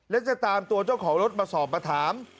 และจะตามตัวเจ้าของรถมาสอบมาถาม